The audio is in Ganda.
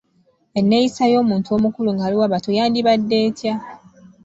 Enneeyisa y’omuntu omukulu nga waliwo abato yandibadde etya?